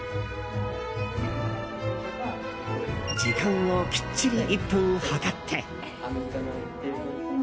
時間をきっちり１分、計って。